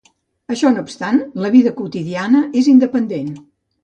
Això no obstant, la vida quotidiana és independent.